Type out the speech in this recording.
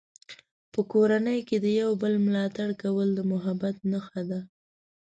په کورنۍ کې د یو بل ملاتړ کول د محبت نښه ده.